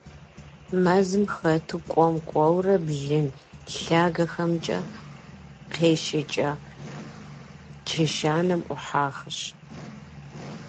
Мэзым хэту кӀуэм-кӀуэурэ, блын лъагэхэмкӀэ къещӀэкӀа чэщанэм Ӏухьахэщ.